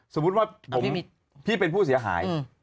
สมมุติว่าพี่เป็นผู้เสียหาย